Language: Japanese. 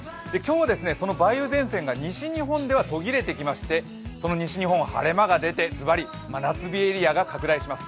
今日、その梅雨前線が西日本では途切れてきましてその西日本、晴れ間が出て、ズバリ真夏日エリアが拡大します。